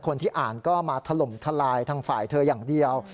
คนที่อ่านก็มาถล่มทลายทางฝ่ายเธออย่างเดียว